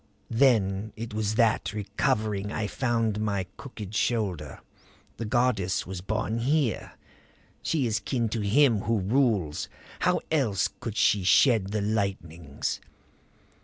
"Then it was that, recovering, I found my crooked shoulder. The goddess was born here. She is kin to Him Who Rules! How else could she shed the lightnings?